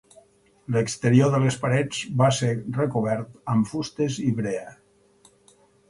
L'exterior de les parets va ser recobert amb fustes i brea.